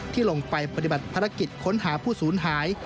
ที่ลงไปปฏิบัติภารกิจค้นหาผู้สูญหาย